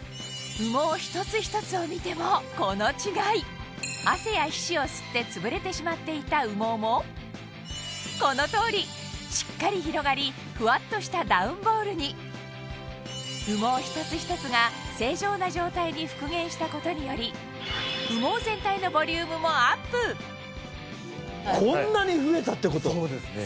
羽毛一つ一つを見てもこの違い汗や皮脂を吸ってつぶれてしまっていた羽毛もこの通りしっかり広がりフワっとしたダウンボールに羽毛一つ一つが正常な状態に復元したことにより羽毛全体のこんなに増えたってこと⁉そうですね。